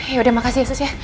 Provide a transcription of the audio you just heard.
yaudah makasih ya sus ya